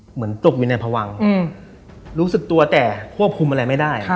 ตกอยู่ในพวังรู้สึกตัวแต่ควบคุมอะไรไม่ได้